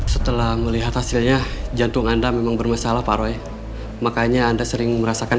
setelah melihat hasilnya jantung anda memang bermasalah pak roy makanya anda sering merasakan